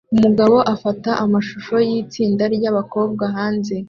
Umugabo afata amashusho yitsinda ryabakobwa hanze